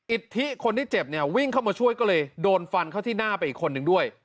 อิทธิคนที่เจ็บเนี่ยวิ่งเข้ามาช่วยก็เลยโดนฟันเข้าที่หน้าไปอีกคนนึงด้วย